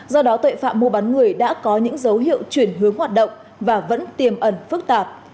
do đó tội phạm mua bán người đã có những dấu hiệu chuyển hướng hoạt động và vẫn tiềm ẩn phức tạp